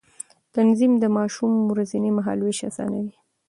تنظيم د ماشوم ورځنی مهالوېش آسانوي.